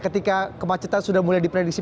ketika kemacetan sudah mulai diprediksi